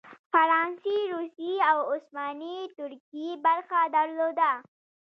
فرانسې، روسیې او عثماني ترکیې برخه درلوده.